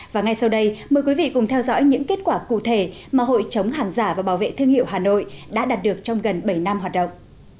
và ngay sau đây mời quý vị cùng theo dõi những kết quả cụ thể mà hội chống hàng giả và bảo vệ thương hiệu hà nội đã đạt được trong gần bảy năm hoạt động